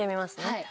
はい。